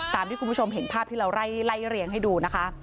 ตามที่คุณผู้ชมเห็นภาพที่จะไรเลียงให้ดูนะคะ